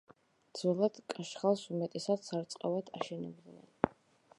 ძველად კაშხალს უმეტესად სარწყავად აშენებდნენ.